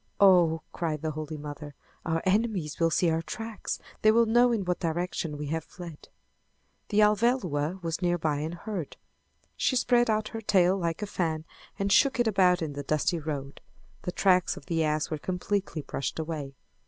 "Oh!" cried the Holy Mother, "Our enemies will see our tracks! They will know in what direction we have fled!" The Alvéloa was nearby and heard. She spread out her tail like a fan and shook it about in the dusty road. The tracks of the ass were completely brushed away.